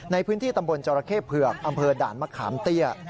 ในพื้นที่ตำบลจรเข้เผือกอำเภอด่านมะขามเตี้ย